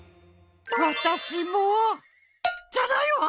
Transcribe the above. わたしもじゃないわ！